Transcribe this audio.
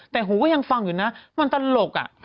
แต่หูก็ยังฟังอยู่นะมันตลก